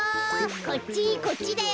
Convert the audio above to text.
こっちこっちだよ。